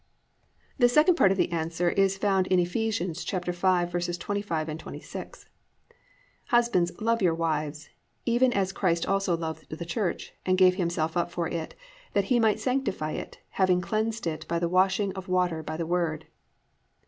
2. The second part of the answer is found in Eph. 5:25, 26, +"Husbands love your wives, even as Christ also loved the church, and gave himself up for it; that he might sanctify it, having cleansed it by the washing of water by the word."